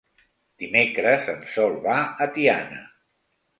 Dimecres en Sol va a Tiana.